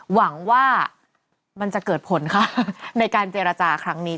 หวังว่ามันจะเกิดผลค่ะในการเจรจาครั้งนี้